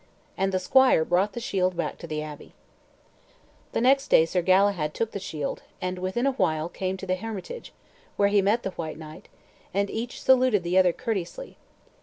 And the squire brought the shield back to the abbey. The next day Sir Galahad took the shield, and within a while he came to the hermitage, where he met the white knight, and each saluted the other courteously.